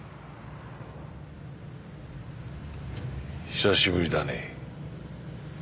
久しぶりだねえ。